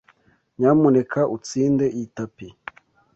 Nyamuneka utsinde iyi tapi.